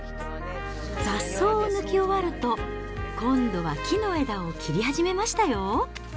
雑草を抜き終わると、今度は木の枝を切り始めましたよ。